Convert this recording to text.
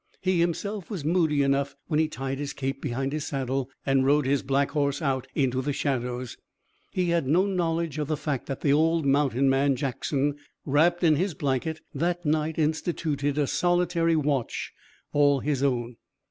He himself was moody enough when he tied his cape behind his saddle and rode his black horse out into the shadows. He had no knowledge of the fact that the old mountain man, Jackson, wrapped in his blanket, that night instituted a solitary watch all his own.